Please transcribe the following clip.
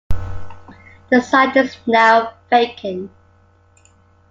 The site is now vacant.